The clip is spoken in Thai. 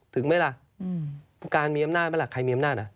ถึงไหมล่ะผู้การมีอำนาจไหมล่ะใครมีอำนาจอ่ะ